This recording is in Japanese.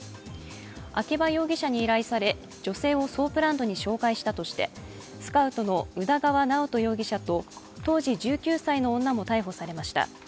秋葉容疑者に依頼され女性をソープランドに紹介したとしてスカウトの宇田川直人容疑者と、当時１９歳の女も逮捕されました。